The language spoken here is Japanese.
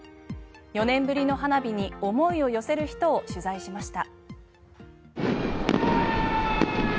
４年ぶりの花火に思いを寄せる人を取材しました。